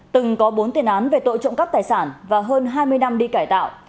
từng có bốn tiền án về tội trộm cắp tài sản và hơn hai mươi năm đi cải tạo